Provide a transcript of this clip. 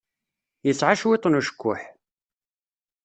Yesɛa cwiṭ n ucekkuḥ.